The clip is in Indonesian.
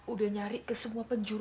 udah nyari ke semua penjuru